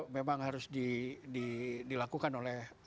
memang harus dilakukan oleh